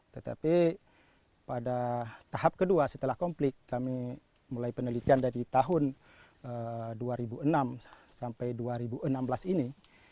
tetapi pada tahap kedua setelah konflik kami mulai penelitian dari tahun dua ribu enam sampai dua ribu enam belas ini